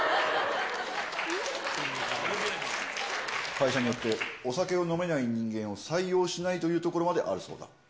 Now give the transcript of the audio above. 会社によってお酒を飲めない人間を採用しないというところまであるそうだ。